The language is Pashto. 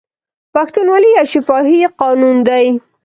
پښتونولي یو شفاهي قانون دی.